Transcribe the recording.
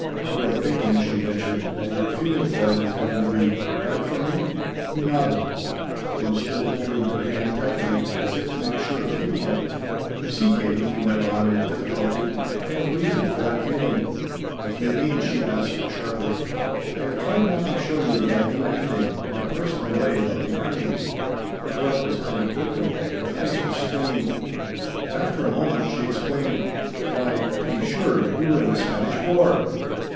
"You are thinking," she ventured, "that your feeling for it is going to be hard for me?" He nodded; he was still holding her hand tightly, as if to make sure of keeping it. "You see, Katie," he went on, with difficulty, "I have reason for that feeling." "What do you mean?" she asked sharply. "I have tried not to show you that I knew anything in a personal way about the army." Her breath was coming quickly; her face was strained. But after a moment she exclaimed: "Why to be sure you were in the Spanish War!"